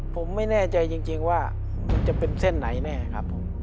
ผมไม่แน่ใจจริงว่ามันจะเป็นเส้นไหนแน่ครับผม